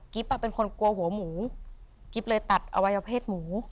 เป็นคนกลัวหัวหมูกิ๊บเลยตัดอวัยวเพศหมู